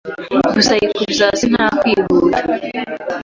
Gusa yikubise hasi nta kwihuta